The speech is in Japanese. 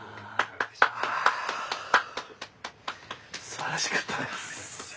すばらしかったです。